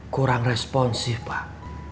kurang responsif pak